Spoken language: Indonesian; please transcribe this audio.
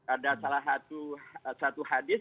ada salah satu hadis